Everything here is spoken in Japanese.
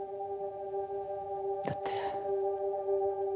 だって。